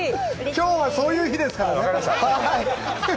きょうはそういう日ですからね。